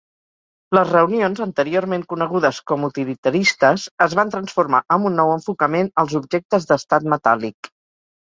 Les reunions anteriorment conegudes com utilitaristes es van transformar, amb un nou enfocament als objectes d'estat metàl·lic.